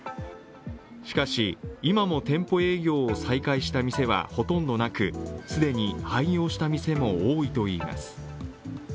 しかし、今も店舗営業を再開した店はほとんどなく、既に廃業した店も多いといいます。